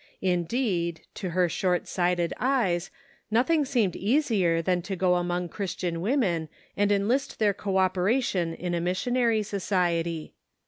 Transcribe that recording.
Indeed, to her short sighted eyes, nothing seemed easier than to go among Christian women and enlist their co operation in a missionary society.